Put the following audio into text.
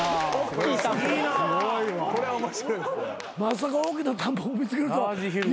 まさか大きなタンポポ見つけるとは。